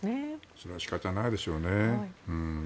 それは仕方ないでしょうね。